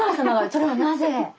それはなぜ？